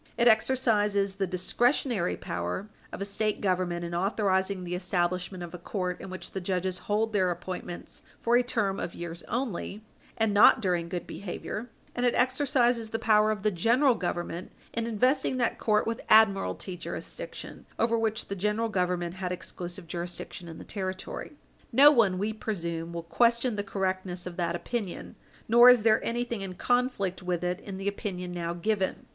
It exercises the discretionary power of a State Government in authorizing the establishment of a court in which the judges hold their appointments for a term of years only, and not during good behaviour, and it exercises the power of the General Government in investing that Page 60 U. S. 446 court with admiralty jurisdiction, over which the General Government had exclusive jurisdiction in the Territory. No one, we presume, will question the correctness of that opinion; nor is there anything in conflict with it in the opinion now given.